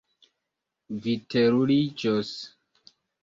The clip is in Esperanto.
Vi teruriĝos.